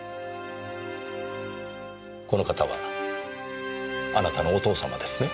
この方はあなたのお父様ですね？